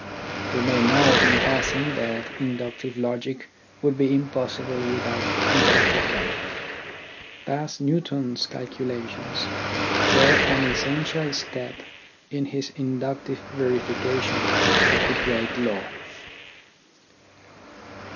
We may note in passing that inductive logic would be impossible without deductive logic. Thus Newton's calculations were an essential step in his inductive verification of the great law.